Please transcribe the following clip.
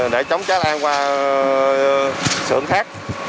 để chống cháy đám cháy